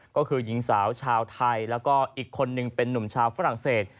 ก็คือหญิงสาวชาวไทยแล้วก็อีกคนนึงเป็นนุ่มชาวฝรั่งเศส